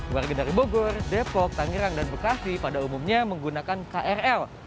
warga dari bogor depok tangerang dan bekasi pada umumnya menggunakan krl